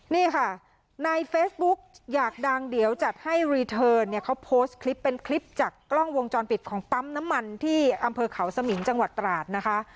นี่ค่ะในเฟซบุ๊กอยากดังเดี๋ยวจัดให้รีเทิร์นเนี่ยเขาโพสต์คลิปเป็นคลิปจากกล้องวงจรปิดของปั๊มน้ำมันที่อำเภอเขาสมิงจังหวัดตราดนะคะ